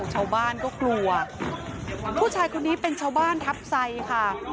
ชาวบ้านก็กลัวผู้ชายคนนี้เป็นชาวบ้านทัพไซค่ะ